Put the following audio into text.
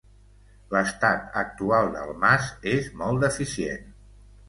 L’estat actual del mas, és molt deficient.